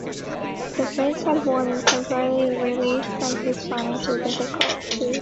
The Prince had won a temporary relief from his financial difficulties.